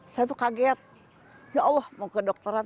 saya tuh kaget ya allah mau kedokteran